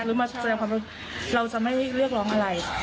หรือมาส่วนความรู้เราจะไม่เลือกร้องอะไร